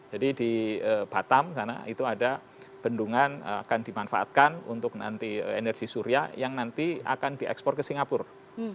jadi di batam sana itu ada bendungan akan dimanfaatkan untuk nanti energi surya yang nanti akan diekspor ke singapura